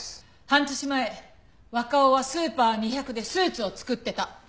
半年前若尾はスーパー２００でスーツを作ってた。